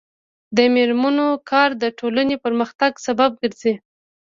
د میرمنو کار د ټولنې پرمختګ سبب ګرځي.